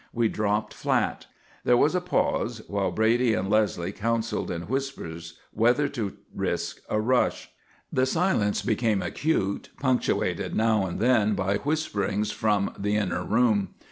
We dropped flat. There was a pause, while Brady and Leslie counselled in whispers whether to risk a rush. The silence became acute, punctuated now and then by whisperings from the inner room.